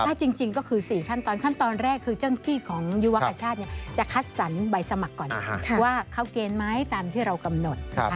ถ้าจริงก็คือ๔ขั้นตอนขั้นตอนแรกคือเจ้าหน้าที่ของยุวกชาติจะคัดสรรใบสมัครก่อนว่าเข้าเกณฑ์ไหมตามที่เรากำหนด